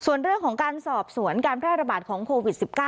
ส่วนเรื่องของการสอบสวนการแพร่ระบาดของโควิด๑๙